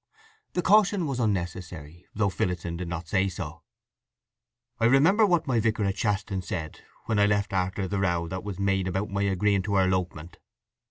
The caution was unnecessary, though Phillotson did not say so. "I remember what my vicar at Shaston said, when I left after the row that was made about my agreeing to her elopement.